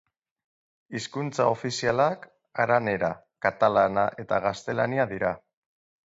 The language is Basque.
Hizkuntza ofizialak aranera, katalana eta gaztelania dira.